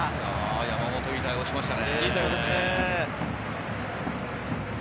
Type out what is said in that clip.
山本、いい対応をしましたね。